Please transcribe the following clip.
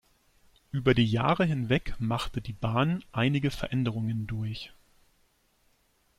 Über die Jahre hinweg machte die Bahn einige Veränderungen durch.